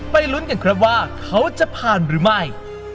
ลุ้นกันครับว่าเขาจะผ่านหรือไม่